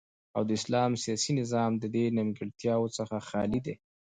او د اسلام سیاسی نظام ددی نیمګړتیاو څخه خالی دی